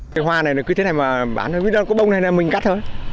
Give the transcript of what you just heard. cái hoa này cứ thế này mà bán có bông này mình cắt thôi